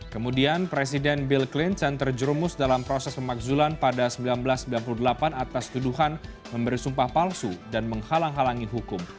kemudian presiden bill clinton terjerumus dalam proses pemakzulan pada seribu sembilan ratus sembilan puluh delapan atas tuduhan memberi sumpah palsu dan menghalang halangi hukum